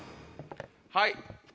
はい。